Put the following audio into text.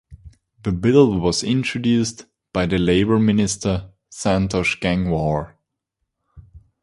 The bill was introduced by the Labour Minister Santosh Gangwar.